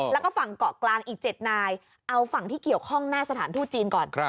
แล้วก็ฝั่งเกาะกลางอีก๗นายเอาฝั่งที่เกี่ยวข้องหน้าสถานทูตจีนก่อน